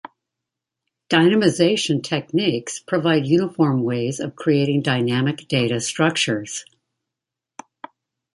Dynamization techniques provide uniform ways of creating dynamic data structures.